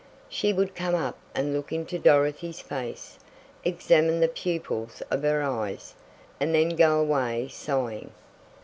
She would come up and look into Dorothy's face, examine the pupils of her eyes, and then go away sighing.